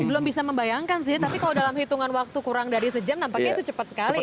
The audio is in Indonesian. belum bisa membayangkan sih tapi kalau dalam hitungan waktu kurang dari sejam nampaknya itu cepat sekali ya